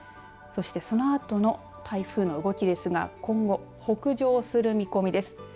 そして、そのあとの台風の動きですが今後、北上する見込みです。